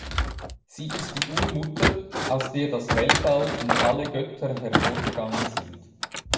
Sie ist die Urmutter, aus der das Weltall und alle Götter hervorgegangen sind.